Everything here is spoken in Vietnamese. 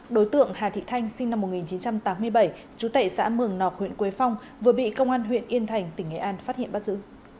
đối tượng hà thị thanh sinh năm một nghìn chín trăm tám mươi bảy chú tệ xã mường nọc huyện quế phong vừa bị công an huyện yên thành tỉnh nghệ an phát hiện bắt giữ